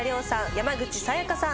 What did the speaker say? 山口紗弥加さん。